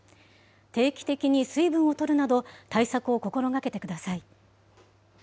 定期的に水分をとるなど、対策を心がけてください。